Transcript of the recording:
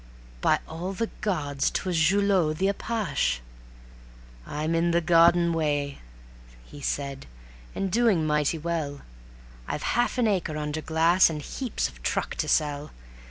... By all the gods! 'twas Julot the apache. "I'm in the garden way," he said, "and doing mighty well; I've half an acre under glass, and heaps of truck to sell.